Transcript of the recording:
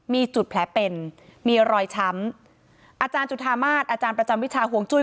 มีจุดแผลเป็นมีรอยช้ำอาจารย์จุธามาศอาจารย์ประจำวิชาห่วงจุ้ย